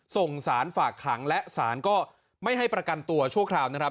ส่งสารฝากขังและสารก็ไม่ให้ประกันตัวชั่วคราวนะครับ